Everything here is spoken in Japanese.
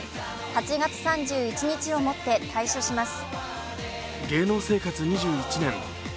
８月３１日をもって退所します。